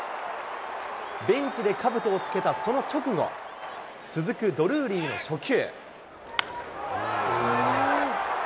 ベンチでかぶとを着けたその直後、続くドルーリーの初球。